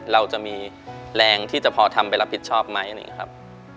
เราจะมีแรงที่จะพอทำไปรับผิดชอบไหมครับ